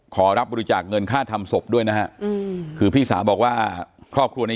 ขอรับบริจาคเงินค่าทำศพด้วยนะฮะอืมคือพี่สาวบอกว่าครอบครัวเนี้ย